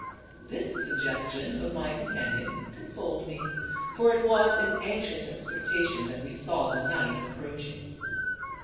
This suggestion of my companion consoled me, for it was in anxious expectation that we saw the night approaching.